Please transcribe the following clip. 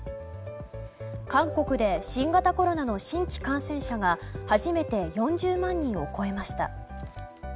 韓国で新型コロナの新規感染者が初めて４０万人を超えました。